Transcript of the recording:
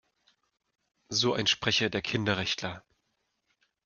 So ein Sprecher der Kinderrechtler.